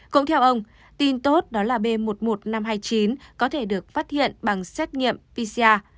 cũng theo ông tin tốt đó là b một mươi một nghìn năm trăm hai mươi chín có thể được phát hiện bằng xét nghiệm pcr